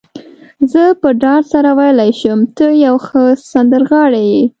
زه په ډاډ سره ویلای شم، ته یو ښه سندرغاړی يې.